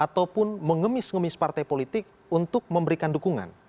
ataupun mengemis ngemis partai politik untuk memberikan dukungan